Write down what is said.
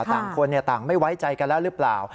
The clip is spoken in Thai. ต่างคนต่างไม่ไว้ใจกันแล้วหรือเปล่า